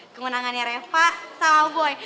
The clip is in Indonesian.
kemunangannya reva sama boy